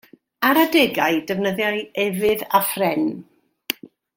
Ar adegau defnyddiai efydd a phren.